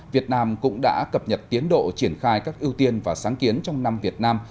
việt nam cũng đã cập nhật tiến độ triển khai các ưu tiên và sáng kiến trong năm việt nam